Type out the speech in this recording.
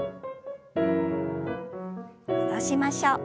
戻しましょう。